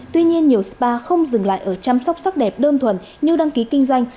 tuy nhiên nhiều spa không dừng lại ở chăm sóc sắc đẹp đơn thuần như đăng ký kinh doanh